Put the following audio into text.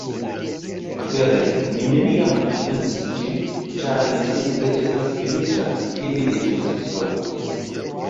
Vere, mi neniam pripensis ĝin, ĉar mi simple estas feliĉa, ke mi estos sola.